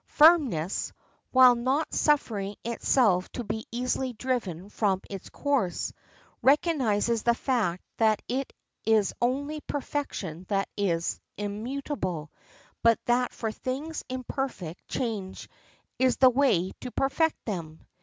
Firmness, while not suffering itself to be easily driven from its course, recognizes the fact that it is only perfection that is immutable, but that for things imperfect change is the way to perfect them.